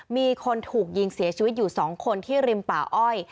มีคนถูกยิงเสียชีวิตอยู่๒คนที่ริมป่าอ้อย